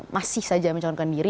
masih saja mencahankan diri